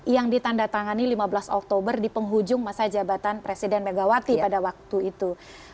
yang ditanda tangani lima belas oktober di penghujung masa jabatan presiden megawati pada waktu itu